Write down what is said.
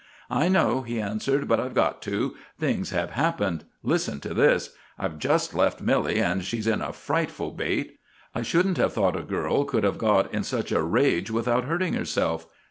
"I know," he answered, "but I've got to. Things have happened. Listen to this. I've just left Milly, and she's in a frightful bate. I shouldn't have thought a girl could have got in such a rage without hurting herself.